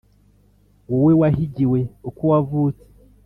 Wowe wahigiwe uko wavutse